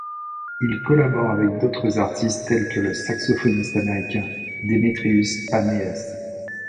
Ils collaborent avec d'autres artistes tels que le saxophoniste américain Demetrius Spaneas.